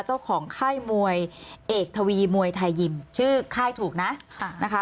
เจ้าของค่ายมวยเอกทวีมวยไทยยิมชื่อค่ายถูกนะค่ะนะคะ